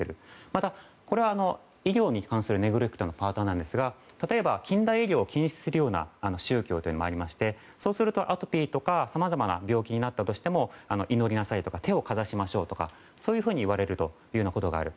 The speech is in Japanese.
また、これは医療に関するネグレクトのパートなんですが、例えば近代医療を禁止するような宗教というのもありましてそうするとアトピーとかさまざまな病気になったとしても祈りなさいとか手をかざしましょうとか言われるということがある。